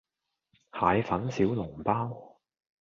蟹粉小籠包